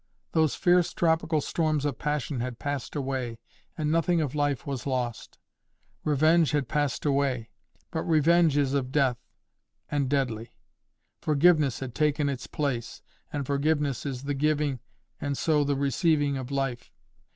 Those fierce tropical storms of passion had passed away, and nothing of life was lost. Revenge had passed away, but revenge is of death, and deadly. Forgiveness had taken its place, and forgiveness is the giving, and so the receiving of life.